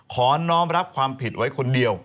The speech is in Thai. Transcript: น้องรับความผิดไว้คนเดียว